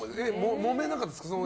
もめなかったですか？